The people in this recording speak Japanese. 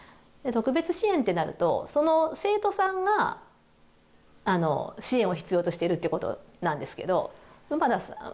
特別支援ってなるとその生徒さんが支援を必要としているっていうことなんですけど馬田さん